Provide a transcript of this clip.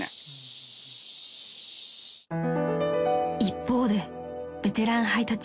［一方でベテラン配達員